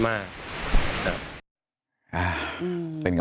แฟนนิกส์